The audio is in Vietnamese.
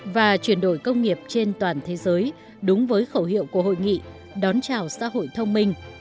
và chuyển đổi công nghiệp trên toàn thế giới đúng với khẩu hiệu của hội nghị đón chào xã hội thông minh